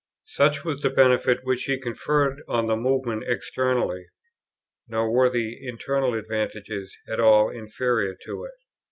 Such was the benefit which he conferred on the Movement externally; nor were the internal advantages at all inferior to it.